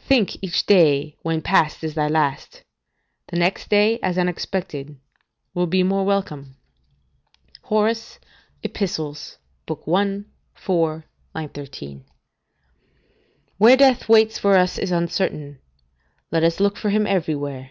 ["Think each day when past is thy last; the next day, as unexpected, will be the more welcome." Hor., Ep., i. 4, 13.] Where death waits for us is uncertain; let us look for him everywhere.